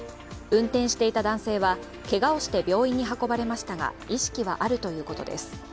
運転していた男性はけがをして病院に運ばれましたが意識はあるということです。